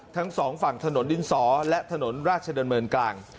ทั้งสองฝั่งถนนดินสอและถนนราชดำเนินกลาง